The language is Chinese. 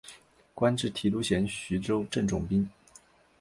官至提督衔徐州镇总兵。